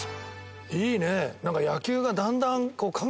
いいねえ。